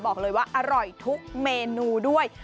บอกเลยว่าอร่อยทุกเมนูด้วย